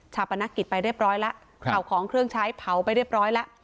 ปนักกิจไปเรียบร้อยแล้วเผาของเครื่องใช้เผาไปเรียบร้อยแล้ว